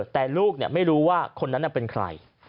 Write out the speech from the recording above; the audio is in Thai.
แต่ลูกเนี่ยไม่รู้ว่าคนนั้นน่ะเป็นใคร